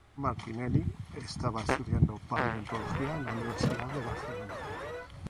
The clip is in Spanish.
Martinelli estaba estudiando paleontología en la Universidad de Barcelona.